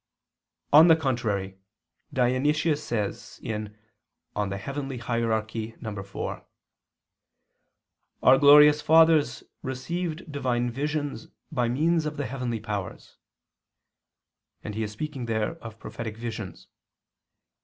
On the contrary, Dionysius says (Coel. Hier. iv): "Our glorious fathers received Divine visions by means of the heavenly powers"; and he is speaking there of prophetic visions.